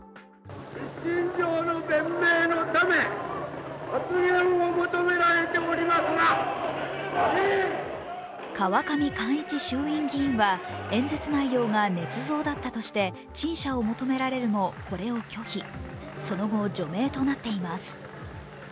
一身上弁明のため、発言を求められておりますが川上貫一衆議院議員は演説内容がねつ造だったとして陳謝を求められるもこれを拒否、その後、除名となっています。